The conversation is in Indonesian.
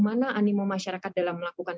mana animo masyarakat dalam melakukan